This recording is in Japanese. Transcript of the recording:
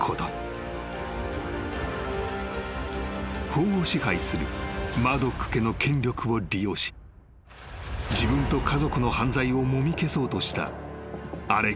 ［法を支配するマードック家の権力を利用し自分と家族の犯罪をもみ消そうとしたアレック・マードック］